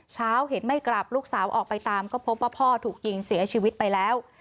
เช้าเห็นไม่กลับลูกสาวออกไปตามก็พบว่าพ่อถูกยิงเสียชีวิตไปแล้ว